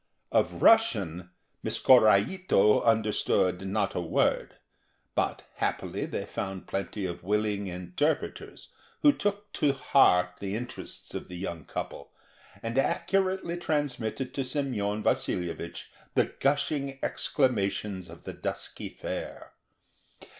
Of Russian Miss Korraito understood not a word, but happily they found plenty of willing interpreters, who took to heart the interests of the young couple, and accurately transmitted to Semyon Vasilyevich the gushing exclamations of the dusky fair.